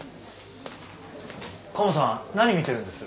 カモさん何見てるんです？